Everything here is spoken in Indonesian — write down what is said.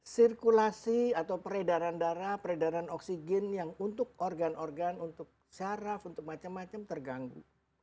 sirkulasi atau peredaran darah peredaran oksigen yang untuk organ organ untuk syaraf untuk macam macam terganggu